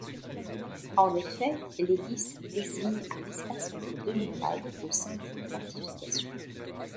En effet, les lices désignent un espace entre deux murailles au sein d'une fortification.